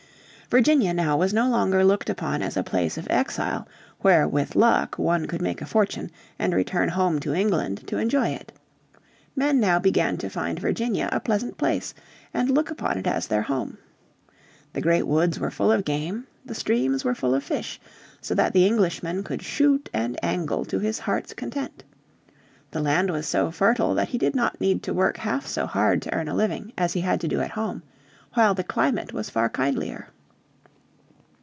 Virginia now was no longer looked upon as a place of exile where with luck one could make a fortune and return home to England to enjoy it. Men now began to find Virginia a pleasant place, and look upon it as their home. The great woods were full of game, the streams were full of fish, so that the Englishman could shoot and angle to his heart's content. The land was so fertile that he did not need to work half so hard to earn a living as he had to do at home; while the climate was far kindlier.